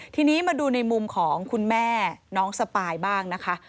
ทีนี้มาดูในมุมของคุณแม่น้องสปายบ้างนะคะ